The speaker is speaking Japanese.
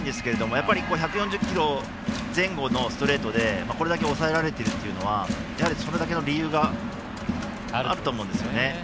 やっぱり、１４０キロ前後のストレートでこれだけ抑えられているのはそれだけの理由があると思うんですよね。